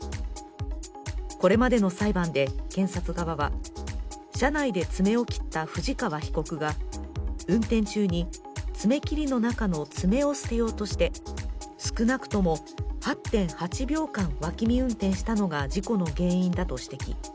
これまでの裁判で検察側は、車内で爪を切った藤川被告が運転中の爪切りの中の爪を捨てようとして、少なくとも８．８秒間脇見運転したのが事故の原因だと指摘。